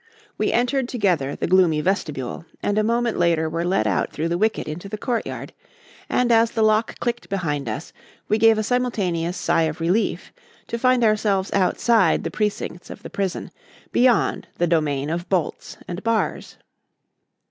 We entered together the gloomy vestibule, and a moment later were let out through the wicket into the courtyard; and as the lock clicked behind us, we gave a simultaneous sigh of relief to find ourselves outside the precincts of the prison, beyond the domain of bolts and bars.